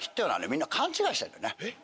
みんな勘違いしてるんだよね。